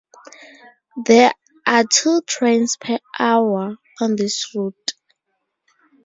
There are two trains per hour on this route.